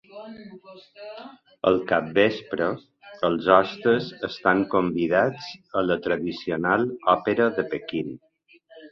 Al capvespre, els hostes estan convidats a la tradicional òpera de Pequín.